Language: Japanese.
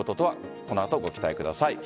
この後、ご期待ください。